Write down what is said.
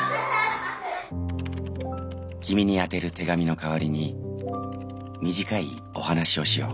「君に宛てる手紙の代わりに短いお話をしよう。